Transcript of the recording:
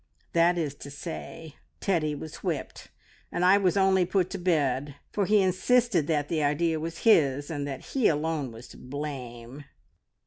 That is to say, Teddy was whipped, and I was only put to bed, for he insisted that the idea was his, and that he alone was to blame."